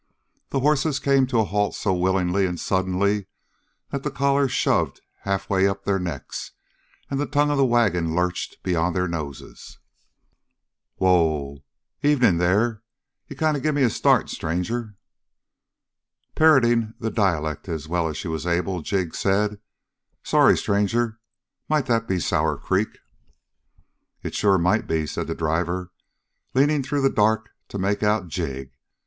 The horses came to a halt so willing and sudden that the collars shoved halfway up their necks, and the tongue of the wagon lurched beyond their noses. "Whoa! Evening, there! You gimme a kind of a start, stranger." Parodying the dialect as well as she was able, Jig said: "Sorry, stranger. Might that be Sour Creek?" "It sure might be," said the driver, leaning through the dark to make out Jig.